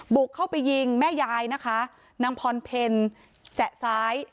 บุกเข้าไปยิงแม่ยายนะคะนางพรเพลแจ๊ซ้าย